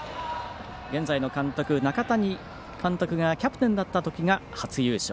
現在の監督、中谷監督がキャプテンだったときが初優勝。